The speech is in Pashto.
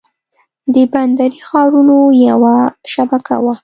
د بندري ښارونو یوه شبکه وه